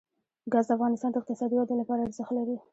ګاز د افغانستان د اقتصادي ودې لپاره ارزښت لري.